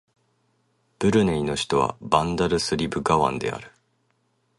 ブルネイの首都はバンダルスリブガワンである